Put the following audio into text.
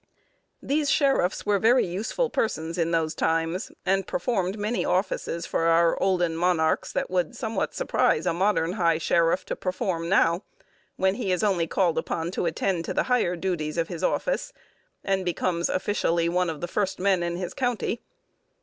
These sheriffs were very useful persons in those times, and performed many offices for our olden monarchs that would somewhat surprise a modern high sheriff to perform now, when he is only called upon to attend to the higher duties of his office, and becomes officially one of the first men in his county.